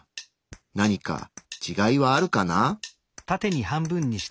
何かちがいはあるかな？